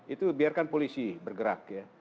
itu biarkan polisi bergerak ya